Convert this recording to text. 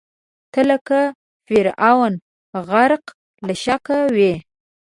ته لکه فرعون، غرقه له شکه وې